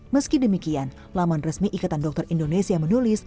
meski demikian laman resmi ikatan dokter indonesia menulis